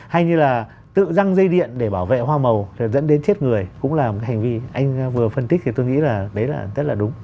hay như là tự răng dây điện để bảo vệ hoa màu dẫn đến chết người cũng là một hành vi anh vừa phân tích thì tôi nghĩ là đấy là rất là đúng